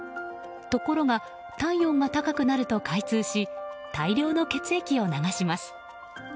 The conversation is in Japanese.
ところが体温が高くなると開通し大量の血液を流します。